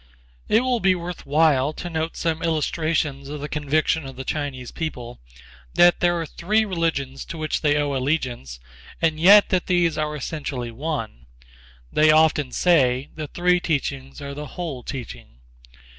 It will be worth while to note some illustrations of the conviction of the Chinese people that there are three religions to which they owe allegiance and yet that these are essentially one. They often say, "The three teachings are the whole teaching."